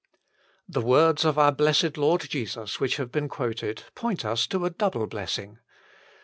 The words of our blessed Lord Jesus which have been quoted, point us to a double blessing.